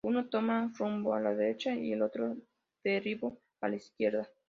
Uno tomó rumbo a la derecha y el otro derivó a la izquierda.